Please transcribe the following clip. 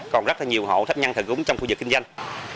còn rất nhiều hộ thấp nhăn thợ cúng trong khu vực kinh doanh